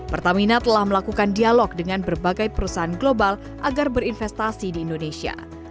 pertamina telah melakukan dialog dengan berbagai perusahaan global agar berinvestasi di indonesia